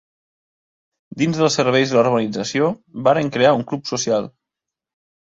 Dins dels serveis de la urbanització, varen crear un club social.